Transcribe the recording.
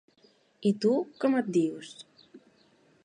I tu, com et dius?